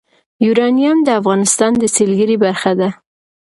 یورانیم د افغانستان د سیلګرۍ برخه ده.